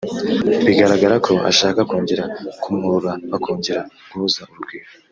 bigaragara ko ashaka kongera kumwurura bakongera guhuza urugwiro